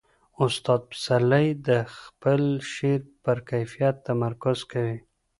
استاد پسرلی د خپل شعر پر کیفیت تمرکز کوي.